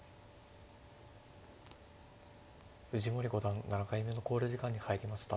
藤森五段７回目の考慮時間に入りました。